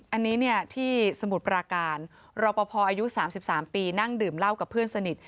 อันนี้เนี่ยที่สมุทรปราการเราพอพออายุสามสิบสามปีนั่งดื่มเล่ากับเพื่อนสนิท